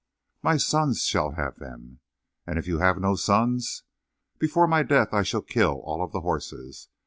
"My sons shall have them." "And if you have no sons?" "Before my death I shall kill all of the horses.